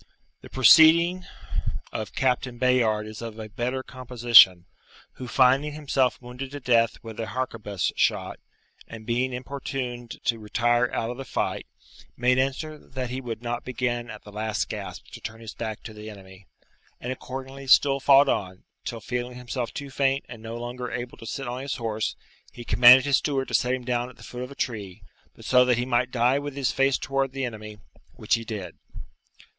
The proceeding of Captain Bayard is of a better composition, who finding himself wounded to death with an harquebuss shot, and being importuned to retire out of the fight, made answer that he would not begin at the last gasp to turn his back to the enemy, and accordingly still fought on, till feeling himself too faint and no longer able to sit on his horse, he commanded his steward to set him down at the foot of a tree, but so that he might die with his face towards the enemy, which he did.